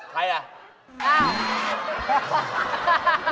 ใครอ่ะ